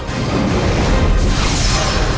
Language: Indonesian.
aku mau kesana